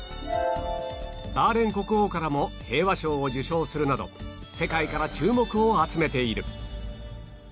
バーレーン国王からも平和賞を受賞するなど世界から注目を集めている